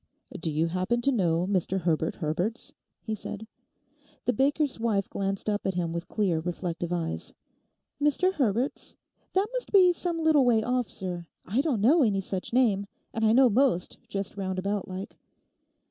'Do you happen to know Mr Herbert Herbert's?' he said. The baker's wife glanced up at him with clear, reflective eyes. 'Mr Herbert's?—that must be some little way off, sir. I don't know any such name, and I know most, just round about like.